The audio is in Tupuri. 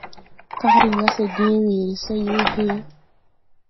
Kag rin gà se gęę weere se yoo hee.